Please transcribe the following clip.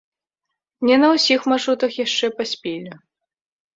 Не на ўсіх маршрутах яшчэ паспелі.